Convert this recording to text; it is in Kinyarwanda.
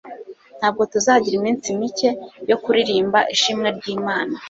Ntabwo tuzagira iminsi mike yo kuririmba ishimwe ry'Imana